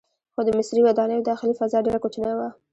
خو د مصري ودانیو داخلي فضا ډیره کوچنۍ وه.